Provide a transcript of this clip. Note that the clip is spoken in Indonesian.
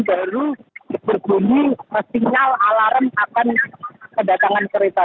baru berbunyi sinyal alarm akan kedatangan kereta